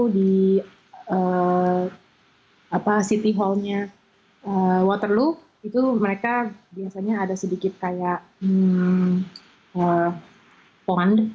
di city hallnya waterloo itu mereka biasanya ada sedikit kayak pond